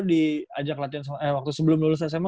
diajak latihan eh waktu sebelum lulus sma